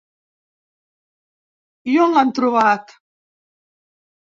I on l'han trobat?